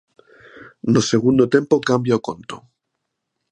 No segundo tempo cambia o conto.